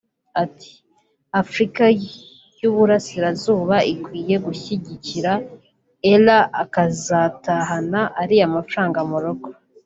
Ati “Afurika y’Uburasirazuba ikwiye gushyigikira Ellah akazatahana ariya mafaranga mu rugo